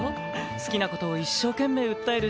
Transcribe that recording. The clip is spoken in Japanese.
好きな事を一生懸命訴える姿勢。